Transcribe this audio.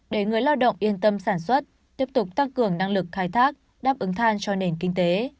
để người lao động yên tâm sản xuất tiếp tục tăng cường năng lực khai thác đáp ứng than cho nền kinh tế